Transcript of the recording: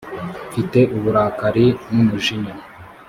mfite uburakari n’umujinya